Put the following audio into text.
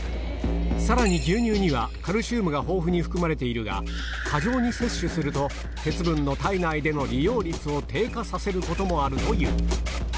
さらに牛乳にはカルシウムが豊富に含まれているが、過剰に摂取すると、鉄分の体内での利用率を低下させることもあるという。